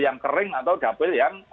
yang kering atau dapil yang